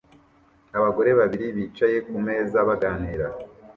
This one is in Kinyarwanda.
Abagore babiri bicaye kumeza baganira